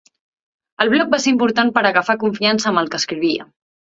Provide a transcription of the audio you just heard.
El bloc va ser important per a agafar confiança amb el que escrivia.